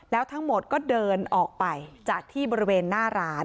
แล้วทั้งหมดก็เดินออกไปจากที่บริเวณหน้าร้าน